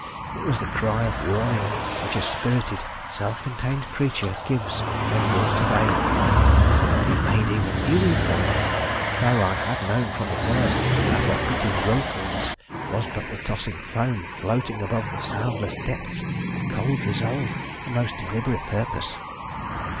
It was the cry of warning which a spirited, self contained creature gives when brought to bay. It made even me recoil, though I had known from the first that her pretty wilfulness was but the tossing foam floating above the soundless depths of cold resolve and most deliberate purpose.